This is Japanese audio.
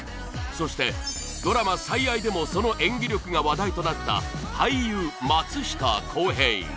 そしてドラマ『最愛』でもその演技力が話題となった俳優松下洸平